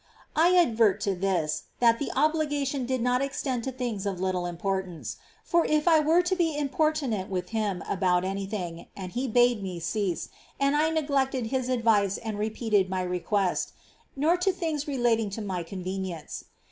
I adverted to this, that the obligation did not extend to things of little importance, — as if I were to be impor tunate with him about any thing, and he bade me cease, and I neglected his advice and repeated my request, — nor to things relating to my convenience.